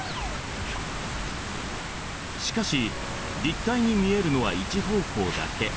しかし立体に見えるのは１方向だけ。